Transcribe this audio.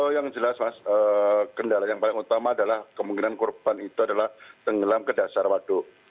yang jelas mas kendala yang paling utama adalah kemungkinan korban itu adalah tenggelam ke dasar waduk